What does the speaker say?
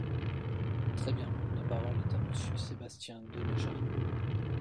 Très bien ! La parole est à Monsieur Sébastien Denaja.